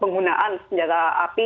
penggunaan senjata api